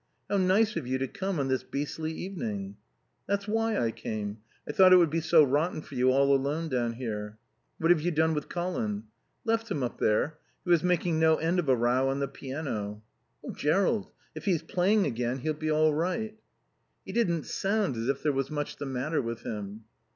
"How nice of you to come on this beastly evening." "That's why I came. I thought it would be so rotten for you all alone down here." "What have you done with Colin?" "Left him up there. He was making no end of a row on the piano." "Oh Jerrold, if he's playing again he'll be all right." "He didn't sound as if there was much the matter with him."